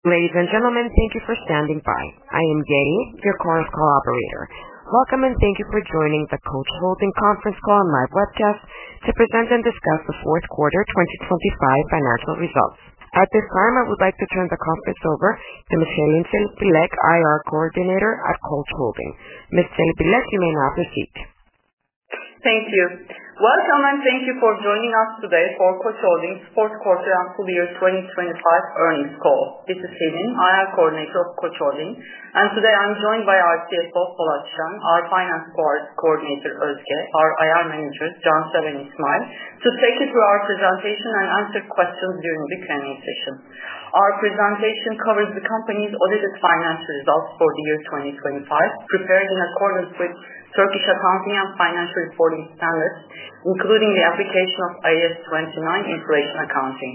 Ladies and gentlemen, thank you for standing by. I am Jenny, your current call operator. Welcome, and thank you for joining the Koç Holding conference call and live webcast to present and discuss the fourth quarter 2025 financial results. At this time, I would like to turn the conference over to Ms. Selin Bilek, IR coordinator at Koç Holding. Ms. Selin Bilek, you may now proceed. Thank you. Welcome, and thank you for joining us today for Koç Holding's fourth quarter and full year 2025 earnings call. This is Selin, IR coordinator of Koç Holding, and today I'm joined by our CFO, Polat Şen, our finance co- coordinator, Ozge, our IR manager, İsmail Özer, to take you through our presentation and answer questions during the Q&A session. Our presentation covers the company's audited financial results for the year 2025, prepared in accordance with Turkish accounting and financial reporting standards, including the application of IAS 29: inflation accounting.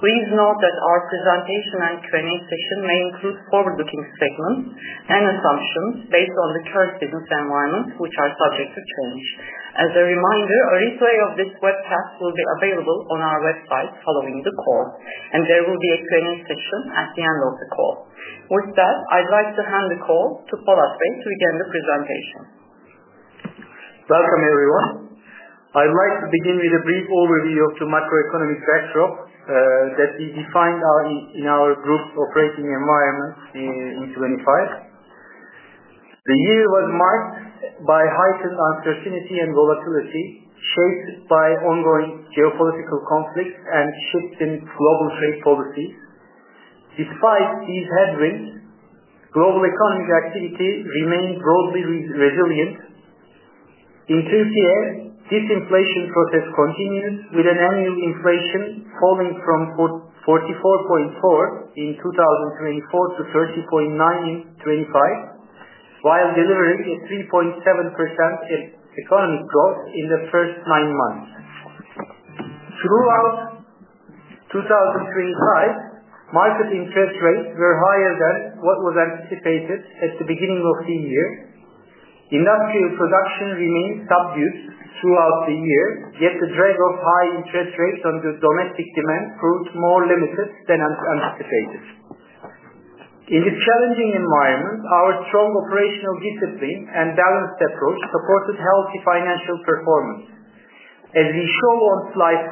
Please note that our presentation and Q&A session may include forward-looking statements and assumptions based on the current business environment, which are subject to change. As a reminder, a replay of this webcast will be available on our website following the call, and there will be a Q&A session at the end of the call. With that, I'd like to hand the call to Polat Şen to begin the presentation. Welcome, everyone. I'd like to begin with a brief overview of the macroeconomic backdrop that we defined our in our group's operating environment in 25. The year was marked by heightened uncertainty and volatility, shaped by ongoing geopolitical conflicts and shifts in global trade policies. Despite these headwinds, global economic activity remained broadly resilient. In Turkey, this inflation process continues, with an annual inflation falling from 44.4 in 2024 to 30.9 in 25, while delivering a 3.7% economic growth in the first nine months. Throughout 2025, market interest rates were higher than what was anticipated at the beginning of the year. Industrial production remained subdued throughout the year, yet the drag of high interest rates on the domestic demand proved more limited than anticipated. In this challenging environment, our strong operational discipline and balanced approach supported healthy financial performance. As we show on Slide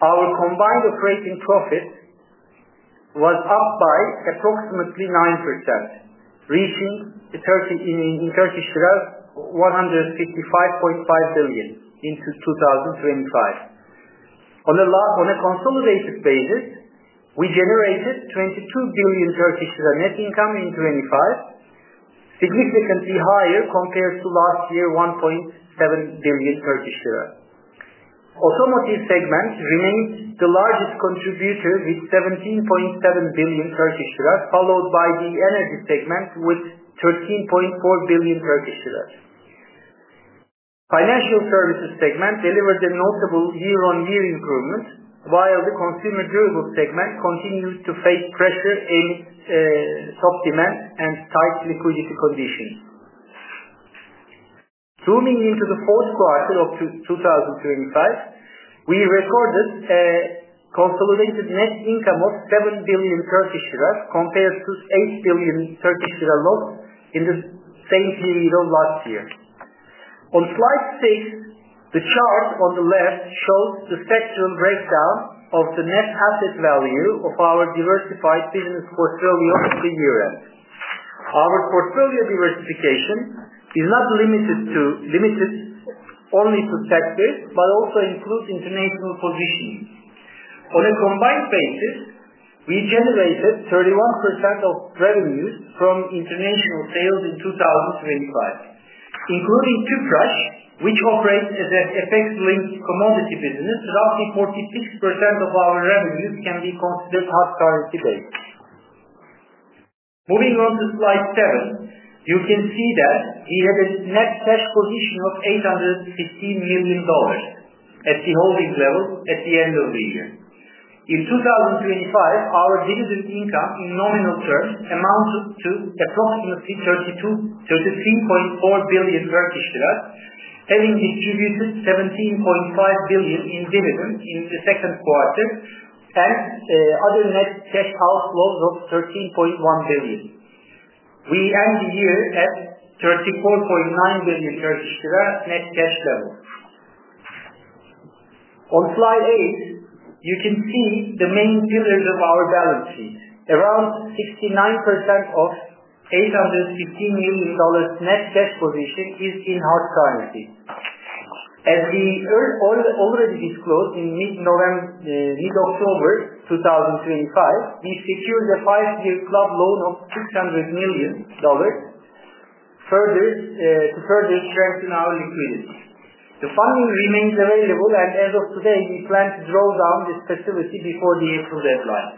5, our combined operating profit was up by approximately 9%, reaching TRY 155.5 billion in 2025. On a consolidated basis, we generated 22 billion net income in 2025, significantly higher compared to last year, 1.7 billion Turkish lira. Automotive segment remains the largest contributor with 17.7 billion Turkish lira, followed by the energy segment with 13.4 billion Turkish lira. Financial services segment delivered a notable year-on-year improvement, while the consumer durables segment continues to face pressure in soft demand and tight liquidity conditions. Zooming into the fourth quarter of 2025, we recorded a consolidated net income of 7 billion Turkish lira, compared to 8 billion Turkish lira loss in the same period of last year. On Slide 6, the chart on the left shows the sectoral breakdown of the net asset value of our diversified business portfolio in EUR. Our portfolio diversification is not limited only to sectors but also includes international positioning. On a combined basis, we generated 31% of revenues from international sales in 2025, including Tüpraş, which operates as a FX-linked commodity business, roughly 46% of our revenues can be considered hard currency based. Moving on to Slide 7, you can see that we have a net cash position of $815 million at the holding level at the end of the year. In 2025, our dividend income in nominal terms amounted to approximately TRY 32-- 33.4 billion, having distributed 17.5 billion in dividends in the second quarter and other net cash outflows of 13.1 billion. We end the year at 34.9 billion Turkish lira net cash flow. On Slide 8, you can see the main pillars of our balance sheet. Around 69% of $815 million net cash position is in hard currency. As we already disclosed in mid-November, mid-October 2025, we secured a 5-year club loan of $600 million further to further strengthen our liquidity. The funding remains available, and as of today, we plan to draw down this facility before the year 2 deadline.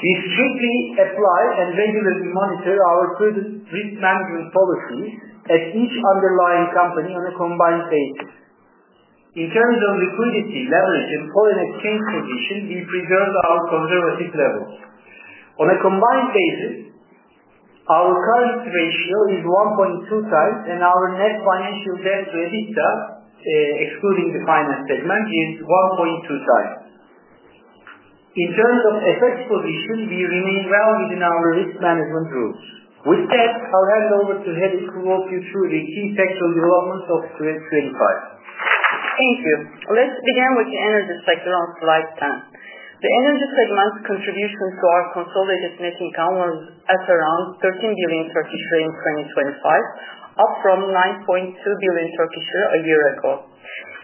We strictly apply and regularly monitor our credit risk management policy at each underlying company on a combined basis. In terms of liquidity, leverage, and foreign exchange condition, we preserved our conservative levels. On a combined basis. Our current ratio is 1.2 times, and our net financial debt to EBITDA, excluding the finance segment, is 1.2 times. In terms of asset position, we remain well within our risk management rules. With that, I'll hand over to Selin to walk you through the key sectoral developments of 2025. Thank you. Let's begin with the energy segment Slide 10. The energy segment's contribution to our consolidated net income was at around TRY 13 billion in 2025, up from 9.2 billion a year ago.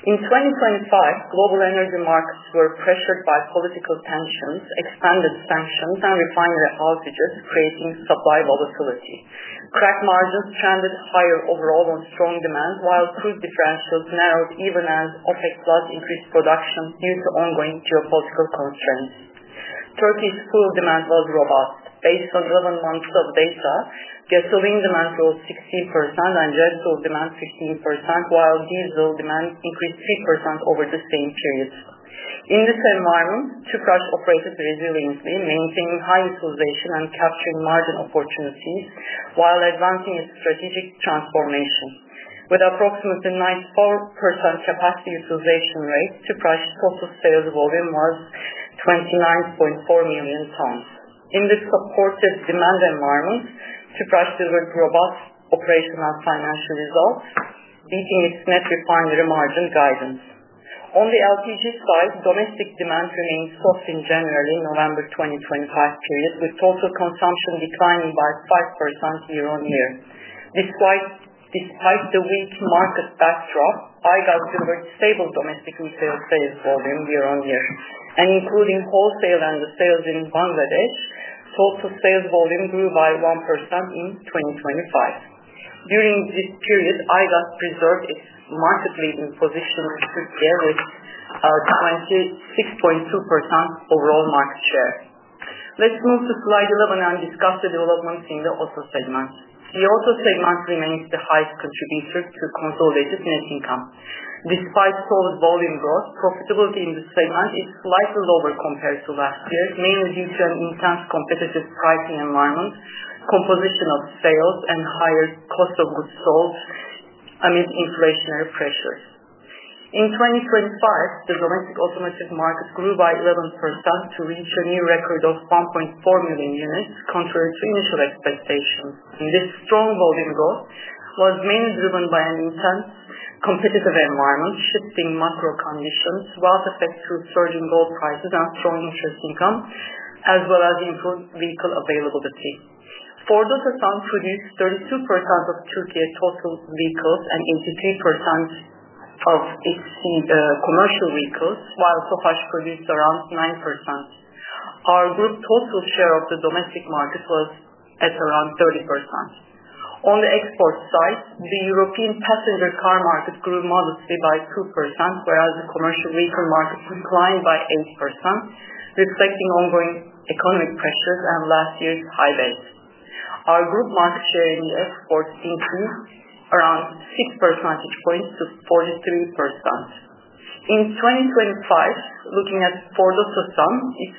In 2025, global energy markets were pressured by political tensions, expanded sanctions, and refinery outages, creating supply volatility. Crack margins trended higher overall on strong demand, while crude differentials narrowed even as OPEC+ increased production due to ongoing geopolitical concerns. Turkey's fuel demand was robust. Based on 7 months of data, gasoline demand rose 16% and jet fuel demand 15%, while diesel demand increased 3% over the same period. In this environment, Tüpraş operated resiliently, maintaining high utilization and capturing margin opportunities while advancing its strategic transformation. With approximately 94% capacity utilization rate, Tüpraş's total sales volume was 29.4 million tons. In this supportive demand environment, Tüpraş delivered robust operational financial results, beating its net refinery margin guidance. On the LPG side, domestic demand remained soft in January, November 2025 period, with total consumption declining by 5% year-on-year. Despite the weak market backdrop, Aygas delivered stable domestic retail sales volume year-on-year, including wholesale and the sales in Bangladesh, total sales volume grew by 1% in 2025. During this period, Aygas preserved its market-leading position in Turkey, with 26.2% overall market share. Let's move to Slide 11 and discuss the developments in the auto segment. The auto segment remains the highest contributor to consolidated net income. Despite solid volume growth, profitability in this segment is slightly lower compared to last year, mainly due to an intense competitive pricing environment, composition of sales, and higher cost of goods sold amid inflationary pressures. In 2025, the domestic automotive market grew by 11% to reach a new record of 1.4 million units, contrary to initial expectations. This strong volume growth was mainly driven by an intense competitive environment, shifting macro conditions, wealth effect through surging gold prices and strong interest income, as well as vehicle, vehicle availability. Ford Otosan produced 32% of Turkey's total vehicles and 83% of its commercial vehicles, while Tofaş produced around 9%. Our group total share of the domestic market was at around 30%. On the export side, the European passenger car market grew modestly by 2%, whereas the commercial vehicle market declined by 8%, reflecting ongoing economic pressures and last year's high base. Our group market share in the exports increased around 6 percentage points to 43%. In 2025, looking at Ford Otosan, its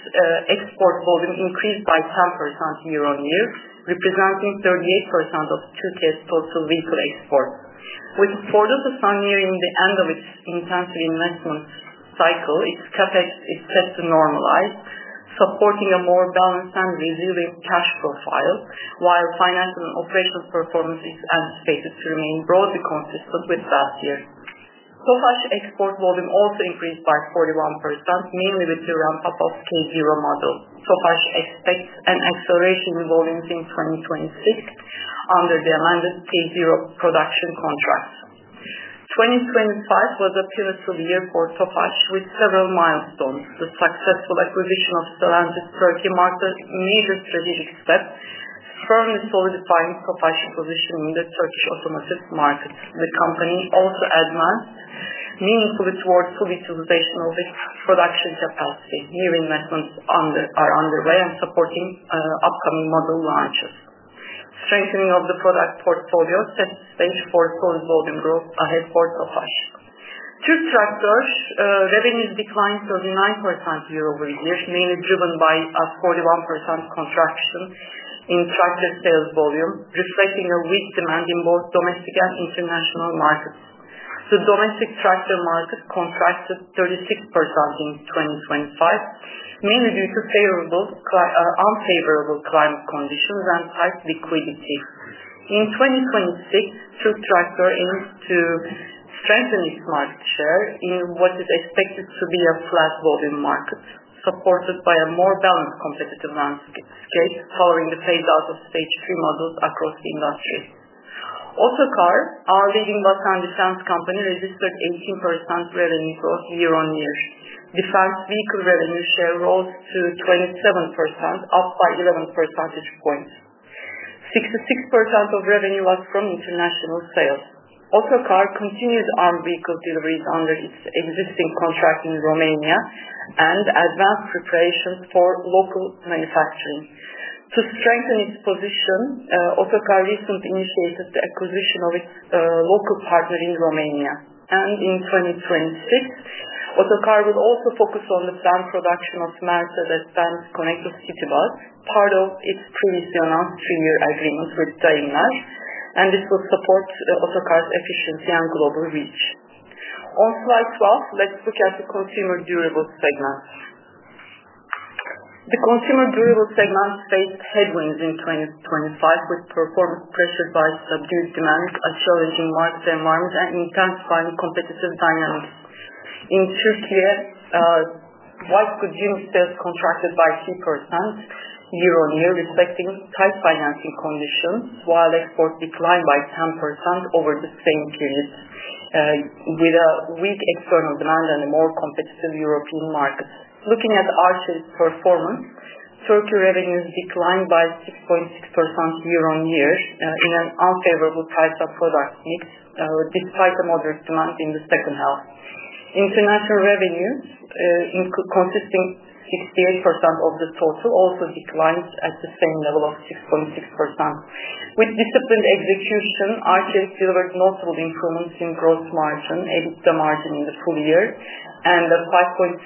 export volume increased by 10% year-on-year, representing 38% of Turkey's total vehicle exports. With Ford Otosan nearing the end of its intensive investment cycle, its CapEx is set to normalize, supporting a more balanced and resilient cash profile, while financial and operational performance is anticipated to remain broadly consistent with last year. Tofaş export volume also increased by 41%, mainly with the ramp-up of K0 models. Tofaş expects an acceleration in volume in 2026 under the amended K0 production contracts. 2025 was a pivotal year for Tofaş with several milestones. The successful acquisition of Stellantis Türkiye market made a strategic step, firmly solidifying Tofaş's position in the Turkish automotive market. The company also advanced meaningfully towards full utilization of its production capacity. New investments are underway and supporting upcoming model launches. Strengthening of the product portfolio set the stage for volume growth ahead for Tofaş. Türk Traktör revenues declined 39% year-over-year, mainly driven by a 41% contraction in tractor sales volume, reflecting a weak demand in both domestic and international markets. The domestic tractor market contracted 36% in 2025, mainly due to unfavorable climate conditions and tight liquidity. In 2026, Türk Traktör aims to strengthen its market share in what is expected to be a flat volume market, supported by a more balanced competitive landscape, following the phase-out of Stage III models across the industry. Otokar, our leading bus and defense company, registered 18% revenue growth year-on-year. Defense vehicle revenue share rose to 27%, up by 11 percentage points. 66% of revenue was from international sales. Otokar continued arm vehicle deliveries under its existing contract in Romania and advanced preparation for local manufacturing. To strengthen its position, Otokar recently initiated the acquisition of its local partner in Romania. In 2026, Otokar will also focus on the planned production of Mercedes-Benz Conecto City Bus, part of its pre-mission on 3-year agreement with Daimler, and this will support Otokar's efficiency and global reach. On Slide 12, let's look at the consumer durables segment. The consumer durables segment faced headwinds in 2025, with performance pressured by subdued demand, a challenging market environment, and intensifying competitive dynamics. In Turkey, white consumer sales contracted by 2% year-on-year, reflecting tight financing conditions, while exports declined by 10% over the same period, with a weak external demand and a more competitive European market. Looking at Arçelik's performance, Turkey revenues declined by 6.6% year-on-year, in an unfavorable price of product mix, despite a moderate demand in the second half. International revenues, consisting 68% of the total, also declined at the same level of 6.6%. With disciplined execution, Arçelik delivered notable improvements in gross margin, EBITDA margin in the full year, and a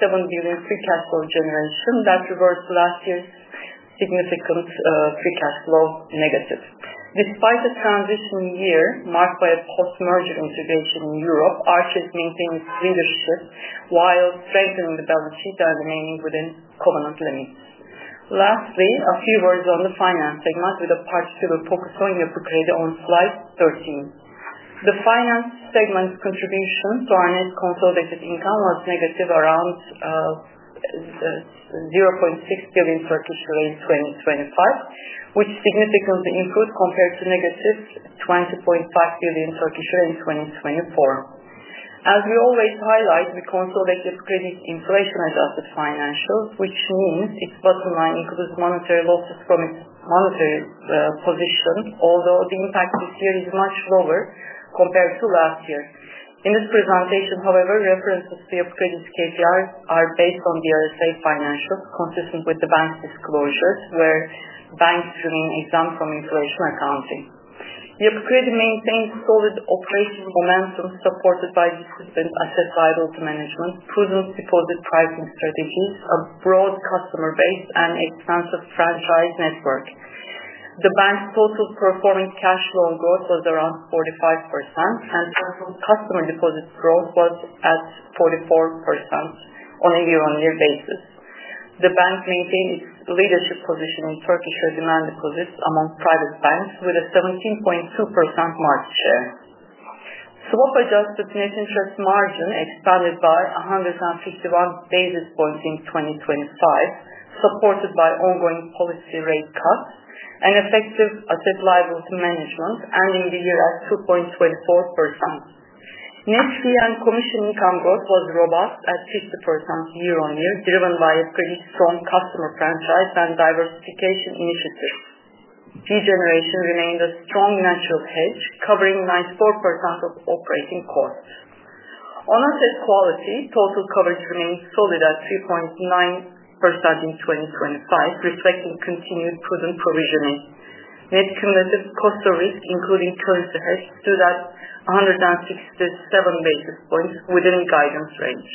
5.7 billion free cash flow generation that reversed last year's significant free cash flow negative. Despite the transition year marked by a post-merger integration in Europe, Arçelik maintains leadership while strengthening the balance sheet and remaining within covenant limits. Lastly, a few words on the finance segment, with a particular focus on Yapı Kredi on Slide 13. The finance segment's contribution to our net consolidated income was negative around 0.6 billion in 2025, which significantly improved compared to negative 20.5 billion in 2024. As we always highlight, we consolidated credit inflation-adjusted financials, which means its bottom line includes monetary losses from its monetary position, although the impact this year is much lower compared to last year. In this presentation, however, references to Yapı Kredi's KPIs are based on the BRSA financials, consistent with the bank's disclosures, where banks remain exempt from inflation accounting. Yapı Kredi maintains solid operating momentum, supported by disciplined asset-liability management, prudent deposit pricing strategies, a broad customer base, and a strong franchise network. The bank's total performing cashflow growth was around 45%, and total customer deposits growth was at 44% on a year-on-year basis. The bank maintained its leadership position in Turkish retail demand deposits among private banks with a 17.2% market share. Swap-adjusted net interest margin expanded by 151 basis points in 2025, supported by ongoing policy rate cuts and effective asset-liability management, ending the year at 2.24%. Net fee and commission income growth was robust at 50% year-on-year, driven by a pretty strong customer franchise and diversification initiatives. Fee generation remained a strong natural hedge, covering 94% of operating costs. On asset quality, total coverage remains solid at 3.9% in 2025, reflecting continued prudent provisioning. Net cumulative cost of risk, including currency hedge, stood at 167 basis points within guidance range.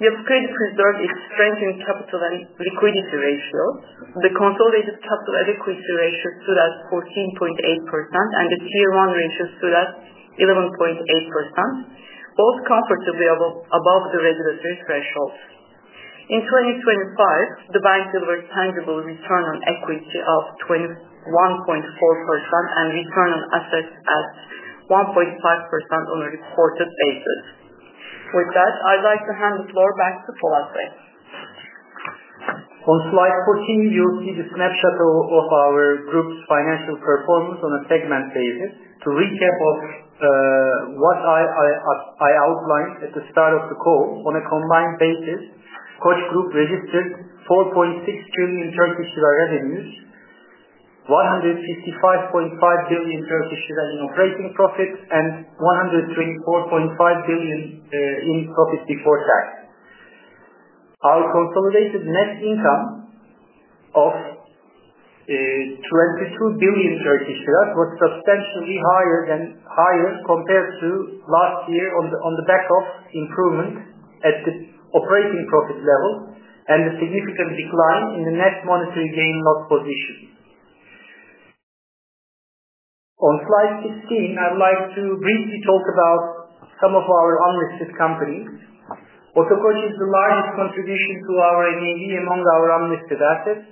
Yapı Kredi preserved its strength in capital and liquidity ratios. The consolidated capital adequacy ratio stood at 14.8%, the Tier 1 ratios stood at 11.8%, both comfortably above the regulatory thresholds. In 2025, the bank delivered tangible return on equity of 21.4% and return on assets at 1.5% on a reported basis. With that, I'd like to hand the floor back to Polat Şen. On Slide 14, you'll see the snapshot of our Koç Group's financial performance on a segment basis. To recap of what I outlined at the start of the call, on a combined basis, Koç Group registered 4.6 billion Turkish lira revenues, 155.5 billion in operating profit, and 124.5 billion in profit before tax. Our consolidated net income of 22 billion Turkish lira was substantially higher compared to last year on the back of improvement at the operating profit level and a significant decline in the net monetary gain loss position. On Slide 15, I'd like to briefly talk about some of our unlisted companies. Otokar is the largest contribution to our EBITDA among our unlisted assets.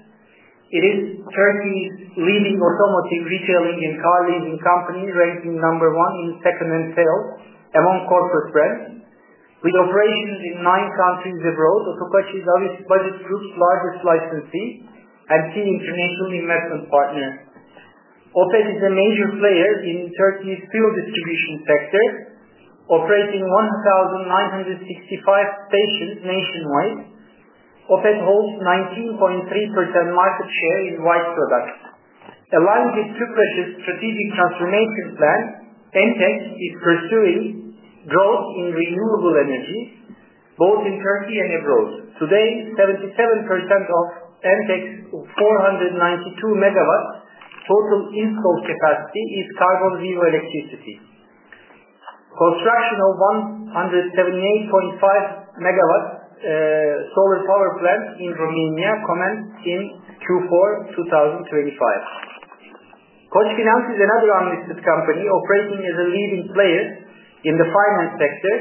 It is Turkey's leading automotive retailing and car leasing company, ranking number one in second-hand sales among corporate brands. With operations in 9 countries abroad, Otokar is our budget group's largest licensee and key international investment partner. Opet is a major player in Turkey's fuel distribution sector, operating 1,965 stations nationwide. Opet holds 19.3% market share in white products. Aligned with Tüpraş's strategic transformation plan, Entek Elektrik is pursuing growth in renewable energy, both in Turkey and abroad. Today, 77% of Entek Elektrik's 492 megawatts Total installed capacity is carbon zero electricity. Construction of 178.5 megawatts solar power plant in Romania commenced in Q4 2025. Koçfinans is another unlisted company operating as a leading player in the finance sector,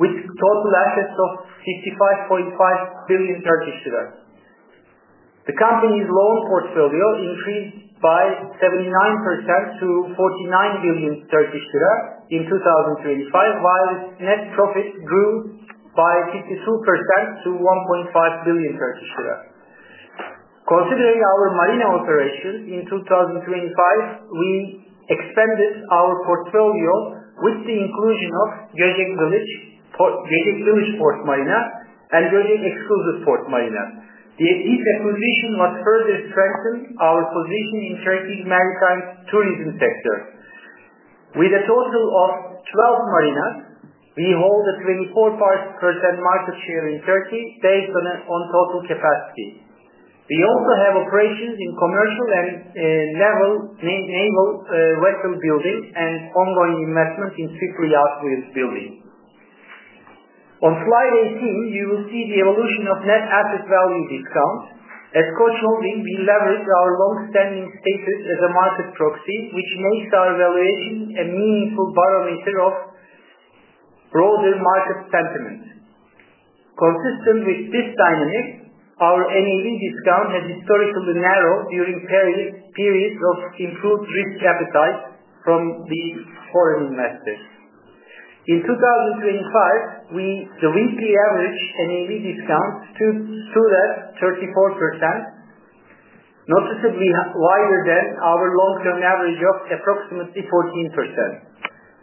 with total assets of 55.5 billion Turkish lira. The company's loan portfolio increased by 79% to 49 billion Turkish lira in 2025, while its net profit grew by 52% to 1.5 billion Turkish lira. Considering our marina operation, in 2025, we expanded our portfolio with the inclusion of Göcek Village Port Marina and Göcek Exclusive Port Marina. This acquisition must further strengthen our position in Turkey's maritime tourism sector. With a total of 12 marinas, we hold a 24.5% market share in Turkey based on, on total capacity. We also have operations in commercial and naval, na- naval vessel building and ongoing investments in ship repair and building. On Slide 18, you will see the evolution of net asset value discount. At Koç Holding, we leverage our long-standing status as a market proxy, which makes our valuation a meaningful barometer of broader market sentiment. Consistent with this dynamic, our NAV discount has historically narrowed during periods of improved risk appetite from the foreign investors. In 2025, we, the VP average NAV discount stood at 34%, noticeably wider than our long-term average of approximately 14%.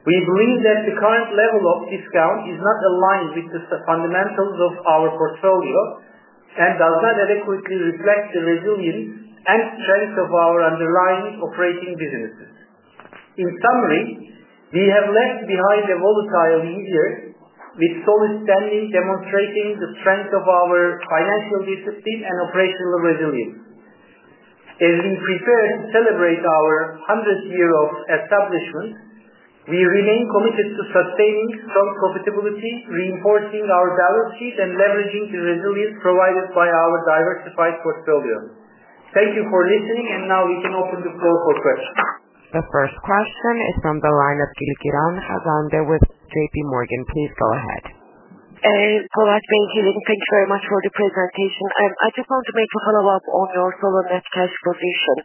We believe that the current level of discount is not aligned with the fundamentals of our portfolio and does not adequately reflect the resilience and strength of our underlying operating businesses. In summary, we have left behind a volatile year with solid standing, demonstrating the strength of our financial discipline and operational resilience. As we prepare to celebrate our 100 year of establishment, we remain committed to sustaining strong profitability, reinforcing our balance sheet, and leveraging the resilience provided by our diversified portfolio. Thank you for listening, now we can open the floor for questions. The first question is from the line of Dilkiran Hazal with J.P. Morgan. Please go ahead. Hello. Thank you. Thank you very much for the presentation. I just want to make a follow-up on your solo net cash position.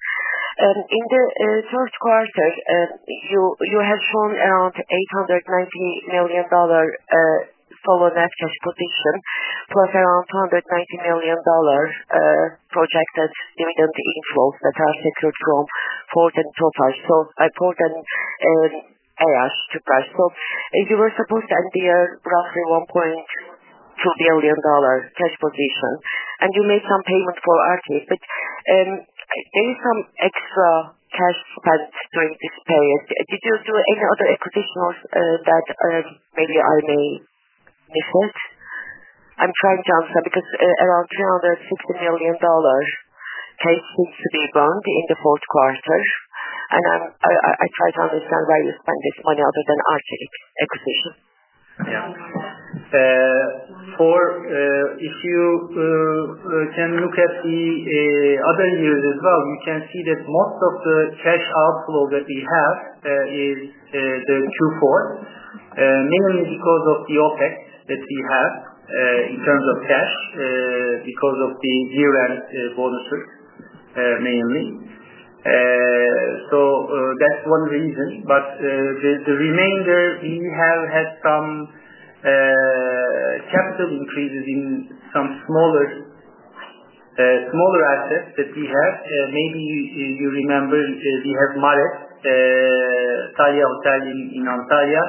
In the first quarter, you had shown around $890 million solo net cash position, plus around $190 million projected dividend inflows that are secured from Port and Tofaş. I put them as to cash. As you were supposed to end the year roughly $1.2 billion cash position, and you made some payment for Arçelik. There is some extra cash spent during this period. Did you do any other acquisitions that maybe I may miss? I'm trying to understand, because, around $360 million cash seems to be burned in the fourth quarter, and I'm, I try to understand where you spend this money other than Arçelik acquisition. Yeah. For, if you can look at the other years as well, you can see that most of the cash outflow that we have is the Q4. Mainly because of the OpEx that we have in terms of cash, because of the year-end bonuses, mainly. That's one reason. The remainder, we have had some capital increases in some smaller, smaller assets that we have. Maybe you remember, we have Divan Talya Hotel in Antalya.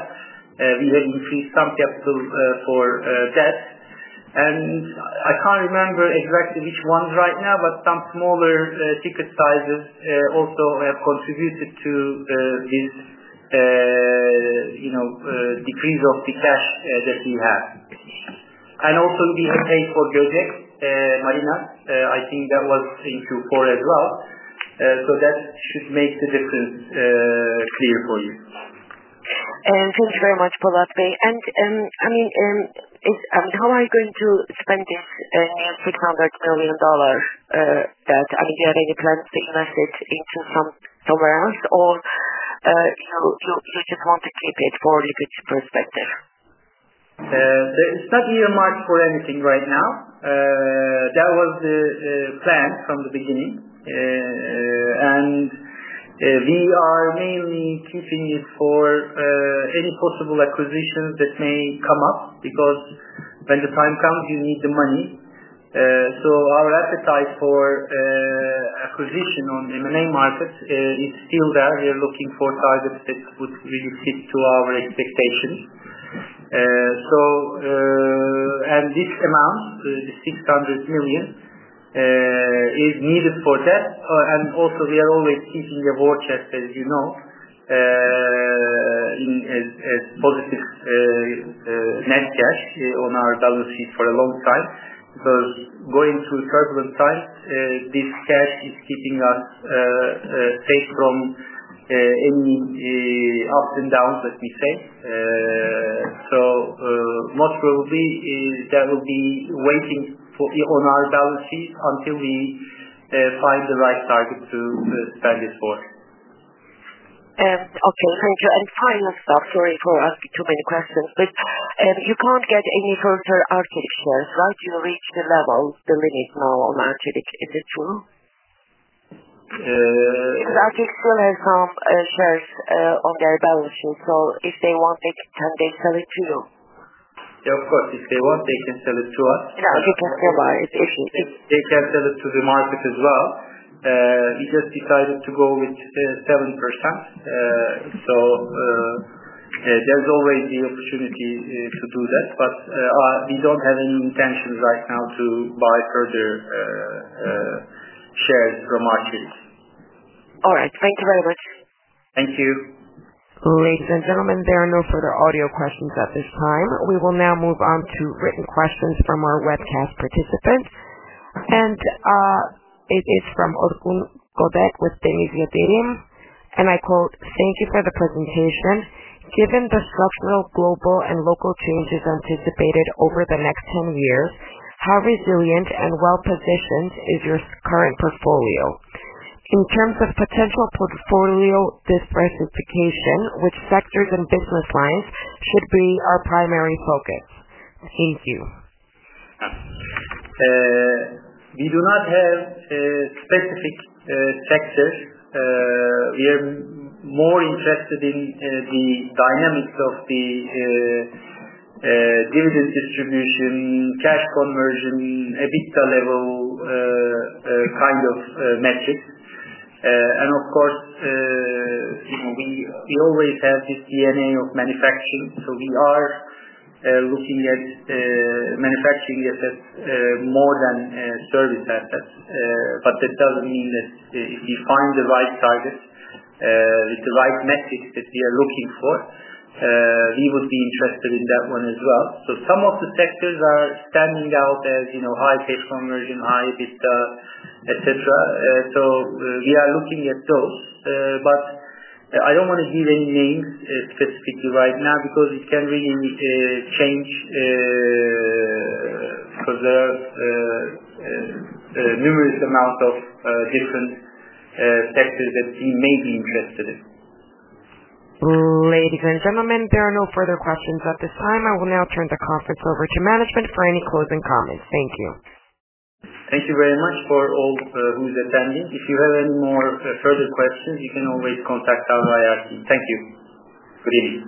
We have increased some capital for that. I can't remember exactly which ones right now, but some smaller ticket sizes also contributed to this, you know, decrease of the cash that we have. Also we have paid for Göcek, Marina. I think that was in Q4 as well. That should make the difference, clear for you. Thank you very much for that. I mean, is... How are you going to spend this near $600 million that I'm getting it invested into some somewhere else? You, you, you just want to keep it for liquidity perspective? There is not earmarked for anything right now. That was the plan from the beginning. We are mainly keeping it for any possible acquisitions that may come up, because when the time comes, you need the money. Our appetite for acquisition on the M&A markets is still there. We are looking for targets that would really fit to our expectations. This amount, the 600 million, is needed for that. Also, we are always keeping a war chest, as you know.... positive, net cash on our balance sheet for a long time, because going through turbulent times, this cash is keeping us safe from any ups and downs, let me say. Most probably, is that will be waiting for, on our balance sheet until we find the right target to spend it for. Okay, thank you. Final stuff, sorry for asking too many questions, but you can't get any further Arçelik shares, right? You reached the level, the limit now on Arçelik. Is it true? Uh- Arçelik still has some shares on their balance sheet, so if they want, they, can they sell it to you? Yeah, of course, if they want, they can sell it to us. Yeah, you can buy it if you- They can sell it to the market as well. We just decided to go with 7%. There's always the opportunity to do that, but we don't have any intentions right now to buy further shares from Arçelik. All right. Thank you very much. Thank you. Ladies and gentlemen, there are no further audio questions at this time. We will now move on to written questions from our webcast participants. It is from Orkun Gödek with Deniz Yatırım, and I quote, "Thank you for the presentation. Given the structural, global, and local changes anticipated over the next 10 years, how resilient and well-positioned is your current portfolio? In terms of potential portfolio diversification, which sectors and business lines should be our primary focus? Thank you. We do not have specific sectors. We are more interested in the dynamics of the dividend distribution, cash conversion, EBITDA level, kind of metrics. Of course, we always have this DNA of manufacturing, so we are looking at manufacturing as a more than a service asset. That doesn't mean that if we find the right target with the right metrics that we are looking for, we would be interested in that one as well. Some of the sectors are standing out as, you know, high cash conversion, high EBITDA, et cetera. We are looking at those, but I don't wanna give any names specifically right now, because it can really change for the numerous amount of different sectors that we may be interested in. Ladies and gentlemen, there are no further questions at this time. I will now turn the conference over to management for any closing comments. Thank you. Thank you very much for all, who's attending. If you have any more, further questions, you can always contact our IR team. Thank you. Good evening.